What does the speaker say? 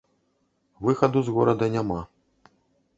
Выхаду з горада няма.